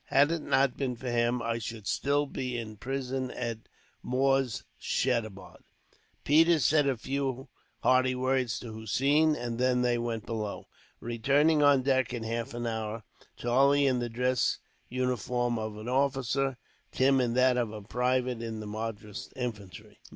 Had it not been for him, I should still be in prison at Moorshedabad." Peters said a few hearty words to Hossein, and they then went below; returning on deck in half an hour, Charlie in the undress uniform of an officer, Tim in that of a private in the Madras infantry.